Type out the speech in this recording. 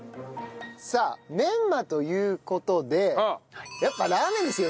さあメンマという事でやっぱラーメンですよね？